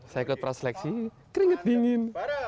saya ikut praseleksi keringet dingin